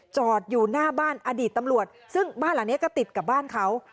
จอดอยู่หน้าบ้านอดีตตำรวจซึ่งบ้านหลังนี้ก็ติดกับบ้านเขา